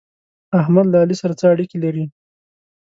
احمد له علي سره څه اړېکې لري؟